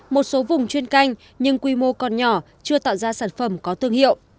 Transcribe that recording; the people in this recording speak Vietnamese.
một số vùng chuyên canh nhưng quy mô còn nhỏ chưa tạo ra sản phẩm có thương hiệu